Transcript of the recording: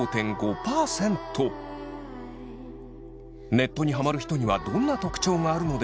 ネットにハマる人にはどんな特徴があるのでしょう。